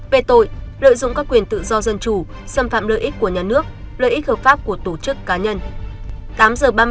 về tội lợi dụng các quyền tự do dân chủ xâm phạm lợi ích của nhà nước lợi ích hợp pháp của tổ chức cá nhân